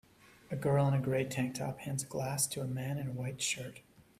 A girl in a gray tank top hands a glass to a man in a white shirt.